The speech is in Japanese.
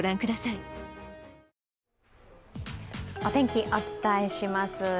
お天気、お伝えします。